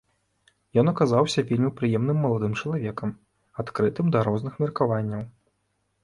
Ён аказаўся вельмі прыемным маладым чалавекам, адкрытым да розных меркаванняў.